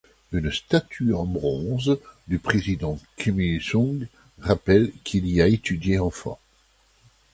Une statue en bronze du président Kim Il-sung rappelle qu’il y a étudié enfant.